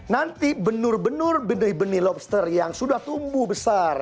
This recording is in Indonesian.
nanti benur benur benih benih lobster yang sudah tumbuh besar